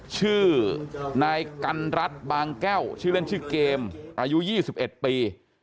ชื่อนายกันรัฐบางแก้วชื่อเล่นชื่อเกมอายุ๒๑ปี